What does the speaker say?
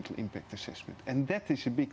tanpa penyelesaian tindakan lingkungan